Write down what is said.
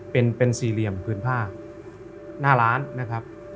เป็นสี่เหลี่ยมพื้นผ้าหน้าร้านนะครับ